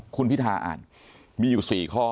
คุณพิธาอ่านมีอยู่๔ข้อ